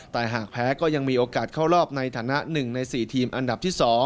แต่หากแพ้ก็ยังมีโอกาสเข้ารอบในฐานะ๑ใน๔ทีมอันดับที่๒